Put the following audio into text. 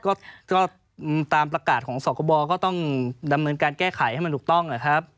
ก็ตามประกาศของสคบก็ต้องดำเนินการแก้ไขให้มันถูกต้องนะครับ